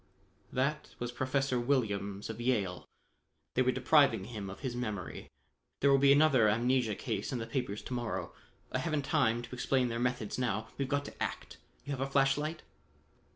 "That was Professor Williams of Yale. They were depriving him of his memory. There will be another amnesia case in the papers to morrow. I haven't time to explain their methods now: we've got to act. You have a flash light?"